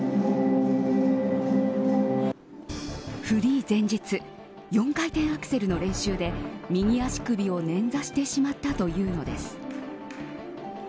フリー前日４回転アクセルの練習で右足首を捻挫してしまったというのです。